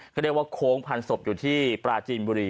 เขาเรียกว่าโค้งพันศพอยู่ที่ปราจีนบุรี